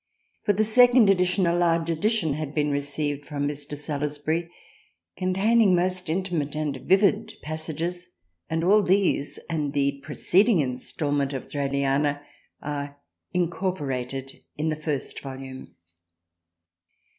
For the second edition a large addition had been received from Mr. Salusbury con taining most intimate and vivid passages, and all these and the preceding instalment of " Thraliana " are incorporated in the first Volume.